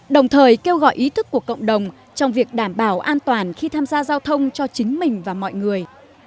đồng thời kêu gọi ý thức của cộng đồng trong việc đảm bảo an toàn khi tham gia giao thông cho chính mình và mọi người